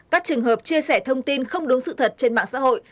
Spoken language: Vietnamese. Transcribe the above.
các trường hợp chia sẻ thông tin không đúng sự thật trên mạng xã hội